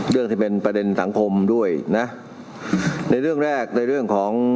เรื่องที่เป็นประเด็นสังคมด้วยนะในเรื่องแรกในเรื่องของ